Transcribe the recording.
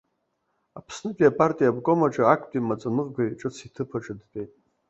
Аԥснытәи апартиа аобком аҿы актәи амаӡаныҟәгаҩ ҿыц иҭыԥ аҿы дтәеит.